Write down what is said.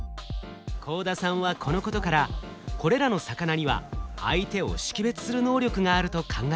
幸田さんはこのことからこれらの魚には相手を識別する能力があると考えました。